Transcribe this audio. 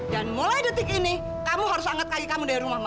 dan mulai detik ini kamu harus angkat kaki kamu dari rumah mama